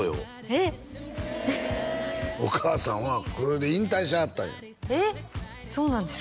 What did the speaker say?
えっお母さんはこれで引退しはったんやええっそうなんですか？